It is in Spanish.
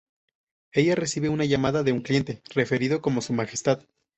Ella recibe una llamada de un cliente referido como "Su Majestad".